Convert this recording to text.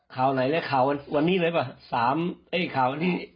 ข่าวไหนนะข่าววันนี้เลยปะ